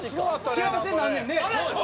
「幸せになんねんね」